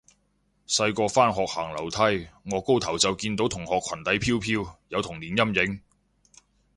細個返學行樓梯，顎高頭就見到同學裙底飄飄，有童年陰影